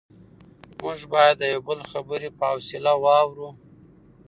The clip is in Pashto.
موږ باید د یو بل خبرې په حوصله واورو